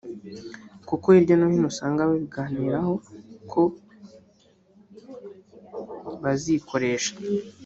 kuko hirya hino usanga babiganiraho ko bazikoresha